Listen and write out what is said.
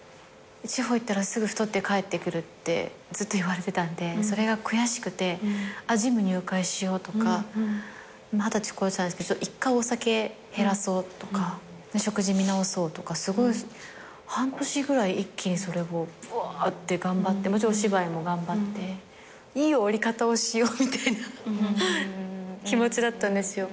地方行ったらすぐ太って帰ってくるってずっと言われてたんでそれが悔しくてジム入会しようとか二十歳超えてたんですけど１回お酒減らそうとか食事見直そうとかすごい半年ぐらい一気にそれをぶわーって頑張ってもちろんお芝居も頑張っていい終わり方をしようみたいな気持ちだったんですよ。